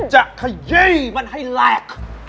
จะขยายมันให้แหลก